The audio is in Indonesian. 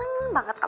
ini lama nsoldan